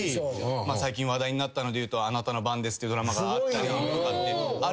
最近話題になったのでいうと『あなたの番です』ってドラマがあったりとかあるんですけど。